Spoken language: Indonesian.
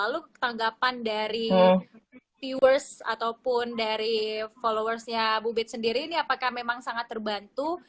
lalu tanggapan dari viewers ataupun dari followersnya bu bit sendiri ini apakah memang sangat terbantu